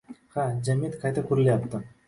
— Ha, jamiyat qayta qurilyapti.